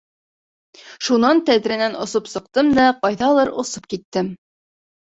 Шунан тәҙрәнән осоп сыҡтым да ҡайҙалыр осоп киттем.